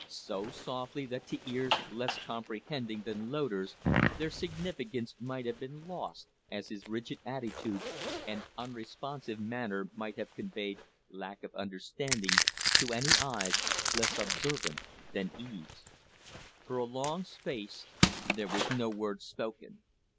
So softly that to ears less comprehending than Loder's their significance might have been lost as his rigid attitude and unresponsive manner might have conveyed lack of understanding to any eyes less observant than Eve's. For a long space there was no word spoken.